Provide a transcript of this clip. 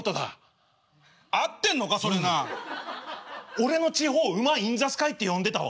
俺の地方馬インザスカイって呼んでたわ。